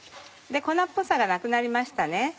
粉っぽさがなくなりましたね。